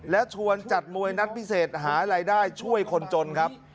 และชวนจัดมวยนัดพิเศษหารายได้ช่วยคนจนครับ